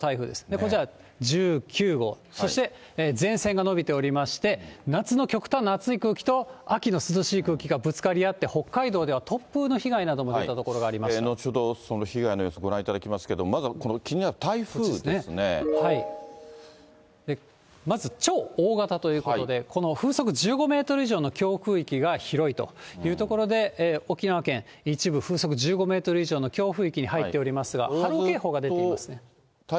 こっちは１９号、そして前線が延びておりまして、夏の極端な暑い空気と、秋の涼しい空気がぶつかり合って北海道では突風の被害なども出た後ほどその被害の様子、ご覧いただきますけれども、まず超大型ということで、この風速１５メートル以上の強風域が広いというところで、沖縄県一部風速１５メートル以上の強風域に入っておりますが、波浪警報が出ていますね。